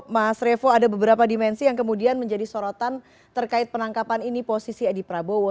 mas revo ada beberapa dimensi yang kemudian menjadi sorotan terkait penangkapan ini posisi edi prabowo